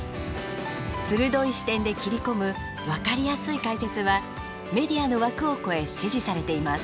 鋭い視点で切り込む分かりやすい解説はメディアの枠を超え支持されています。